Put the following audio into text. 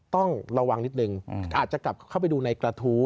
ต้องระวังนิดนึงอาจจะกลับเข้าไปดูในกระทู้